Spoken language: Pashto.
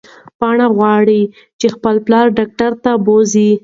پاڼه غواړي چې خپل پلار ډاکټر ته بوځي.